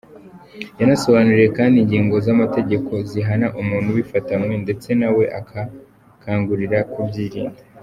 Yabasobanuriye kandi ingingo z’amategeko zihana umuntu ubifatanywe, ndetse na we abakangurira kubyirinda.